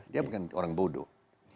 dia bukan orang bodoh